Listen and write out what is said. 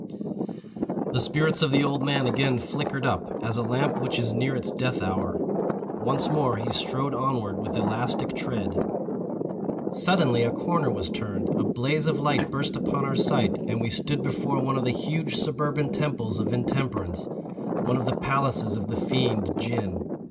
The spirits of the old man again flickered up, as a lamp which is near its death hour. Once more he strode onward with elastic tread. Suddenly a corner was turned, a blaze of light burst upon our sight, and we stood before one of the huge suburban temples of Intemperance—one of the palaces of the fiend, Gin.